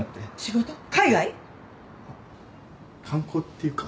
あっ観光っていうか。